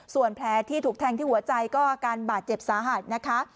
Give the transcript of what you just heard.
ส่วนแผลที่ถูกแทงที่หัวใจก็อาการบาดเจ็บสาหัสนะคะ